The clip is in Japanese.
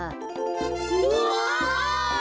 うわ！